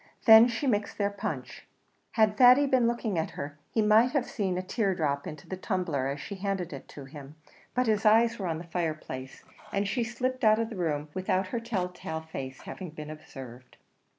Then she mixed their punch. Had Thady been looking at her he might have seen a tear drop into the tumbler as she handed it to him; but his eyes were on the fireplace, and she slipped out of the room without her tell tale face having been observed.